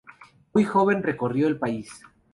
Muy joven recorrió el país.